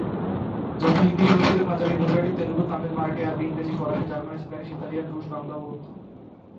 যথা হিন্দি, সংস্কৃত, পাঞ্জাবি, গুজরাটি, তেলুগু, তামিল, মারাঠি, আরবি, ইংরেজি, ফরাসি, জার্মান, স্প্যানিশ, ইতালিয়ান, রুশ, বাংলা ও উর্দু।